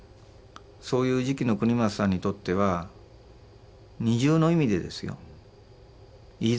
そういう時期の國松さんにとっては二重の意味でですよ飯塚